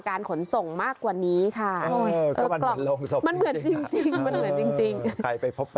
การขนส่งมากกว่านี้ค่ะโอ้ยก็มันเหมือนโรงศพจริง